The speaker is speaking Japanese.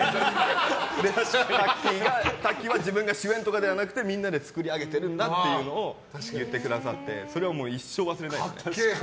タッキーは自分が主演とかじゃなくてみんなで作り上げてるんだと言ってくださってそれを一生忘れないです。